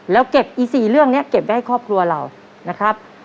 แล้วเก็บอี๔เรื่องนี้เก็บไว้ให้ครอบครัวเรานะครับ